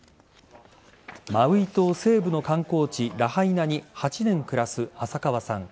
マウイ島西部の観光地ラハイナに８年暮らす浅川さん。